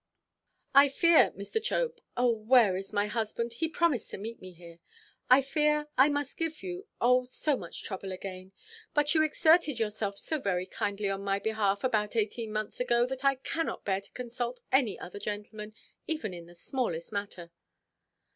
"I fear, Mr. Chope—oh, where is my husband? he promised to meet me here—I fear that I must give you, oh, so much trouble again. But you exerted yourself so very kindly on my behalf about eighteen months ago, that I cannot bear to consult any other gentleman, even in the smallest matter."